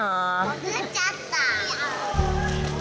潜っちゃった！